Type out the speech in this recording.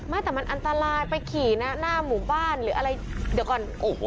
ไม่แต่มันอันตรายไปขี่นะหน้าหมู่บ้านหรืออะไรเดี๋ยวก่อนโอ้โห